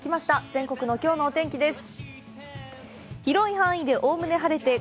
全国のきょうのお天気です。